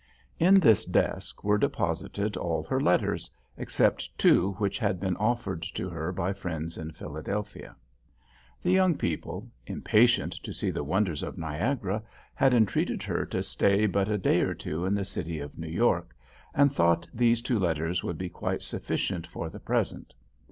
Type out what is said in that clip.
In this desk were deposited all her letters, except two which had been offered to her by friends in Philadelphia. The young people, impatient to see the wonders of Niagara, had entreated her to stay but a day or two in the city of New York, and thought these two letters would be quite sufficient for the present.